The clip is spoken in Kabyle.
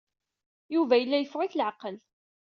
Yuba yella yeffeɣ-it leɛqel.